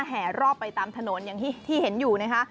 แห่รอบไปตามถนนอย่างที่เห็นอยู่นะคะ